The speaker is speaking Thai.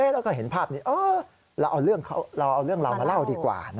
แล้วก็เห็นภาพนี้เราเอาเรื่องเรามาเล่าดีกว่า